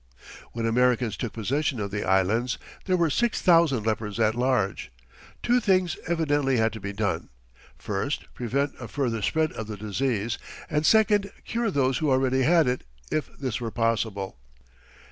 When Americans took possession of the Islands there were six thousand lepers at large. Two things evidently had to be done first, prevent a further spread of the disease; and second, cure those who already had it, if this were possible.